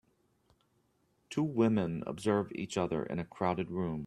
Two women observe each other in a crowded room.